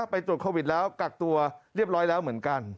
ไปตรวจโควิดแล้วกักตัวเรียบร้อยแล้วเหมือนกัน